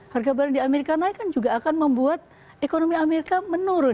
harga barang di amerika naik kan juga akan membuat ekonomi amerika menurun